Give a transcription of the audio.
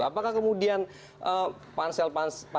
apakah kemudian pansel pansel ini itu sudah berubah